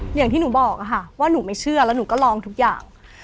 อย่างที่หนูบอกค่ะว่าหนูไม่เชื่อแล้วหนูก็ลองทุกอย่าง